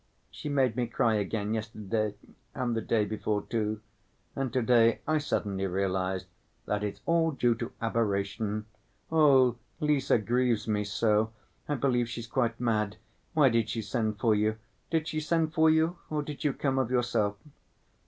She made me cry again yesterday, and the day before, too, and to‐day I suddenly realized that it's all due to aberration. Oh, Lise grieves me so! I believe she's quite mad. Why did she send for you? Did she send for you or did you come of yourself?"